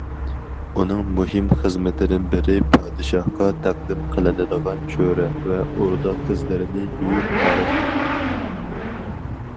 ئۇنىڭ مۇھىم خىزمىتىدىن بىرى پادىشاھقا تەقدىم قىلىنىدىغان چۆرە ۋە ئوردا قىزلىرىنى يۇيۇپ تاراش ئىدى.